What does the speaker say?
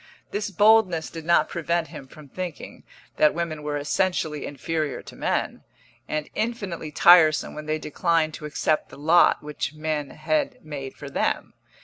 This boldness did not prevent him from thinking that women were essentially inferior to men, and infinitely tiresome when they declined to accept the lot which men had made for them.